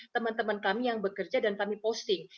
teman teman kami yang bekerja dan kami posting